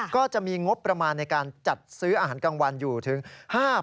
ก็จะมีงบประมาณในการจัดซื้ออาหารกลางวันอยู่ถึง๕๐๐บาท